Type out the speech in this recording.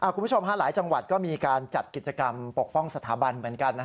คุณผู้ชมหลายจังหวัดก็มีการจัดกิจกรรมปกป้องสถาบันเหมือนกัน